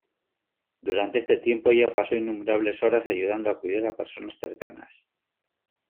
Durante este tiempo, ella pasó innumerables horas ayudando a cuidar a personas cercanas.